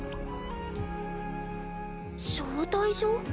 招待状？